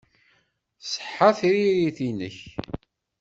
Tṣeḥḥa tririt-nnek.